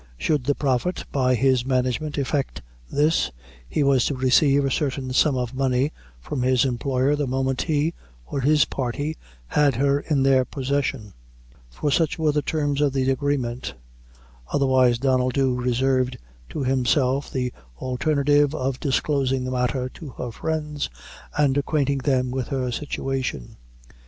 Should the Prophet, by his management, effect this, he was to receive a certain sum of money from his employer the moment he or his party had her in their possession for such were the terms of the agreement otherwise Donnel Dhu reserved to himself the alternative of disclosing the matter to her friends, and acquainting them with her situation.